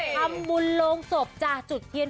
ทำบุญลงศพจากจุดเทียน